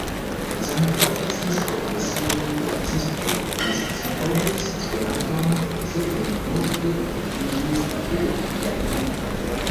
Zamenhof estis profesie kuracisto, li scipovis Esperanton sed ne multe okupiĝis pri la lingvo.